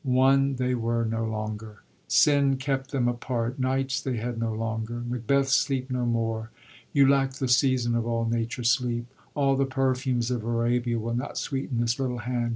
One they were no longer. Sin kept them apart. Nights they had no longer. "Macbeth, sleep no more ;"—" You lack the season of all nature, sleep ;"— "All the perfumes of Arabia will not sweeten this little hand."